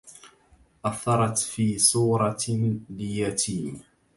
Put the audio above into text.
أثرت في صورة ليتيم